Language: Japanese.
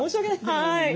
はい。